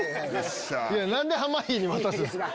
何で濱家に渡すんすか？